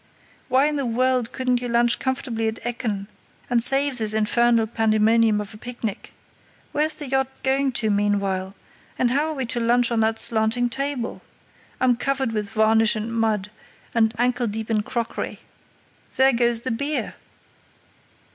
"Why in the world couldn't you lunch comfortably at Ekken and save this infernal pandemonium of a picnic? Where's the yacht going to meanwhile? And how are we to lunch on that slanting table? I'm covered with varnish and mud, and ankle deep in crockery. There goes the beer!"